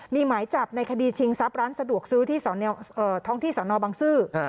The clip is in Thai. มีหมายจับในคดีชิงทรัพย์ร้านสะดวกซื้อที่ท้องที่สนบังซื้อ